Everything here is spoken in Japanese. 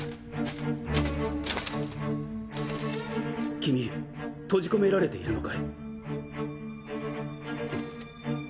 ・君閉じ込められているのかい？